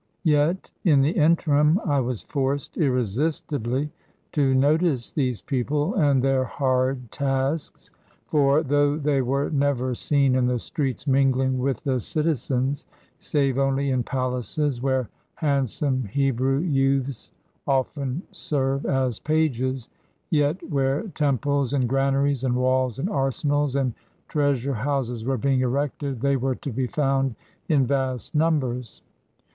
Yet in the interim I was forced irresistibly to notice these peopte and their hard tasks ; for, though they were never seen in the streets mingling with the citizens (save only in palaces, where handsome Hebrew youths often serve as pages), yet where temples, and granaries, and walls, and arsenals, and treasure houses were being erected, they were to be found in vast numbers.